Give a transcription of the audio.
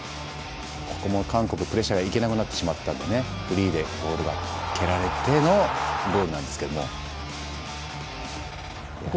韓国もプレッシャーがいけなくなってしまったんでフリーで蹴られてのゴールなんですけれど。